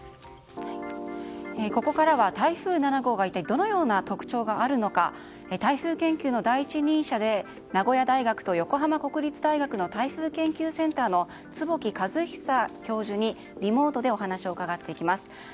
ここからは台風７号がどのような特徴があるのか台風研究の第一人者で名古屋大学と横浜国立大学の台風研究センターの坪木和久教授にリモートでお話を伺っていきます。